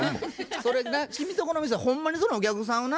それにな君とこの店はほんまにそのお客さんをな